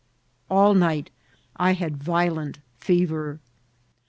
All night I had riolent ferer.